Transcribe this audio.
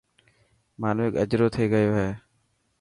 مانوڪ اجرو ٿي گيو هي.